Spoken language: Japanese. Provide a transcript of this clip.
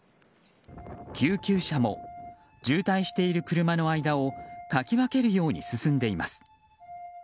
救急車も渋滞している車の間をかき分けるように進んでいます。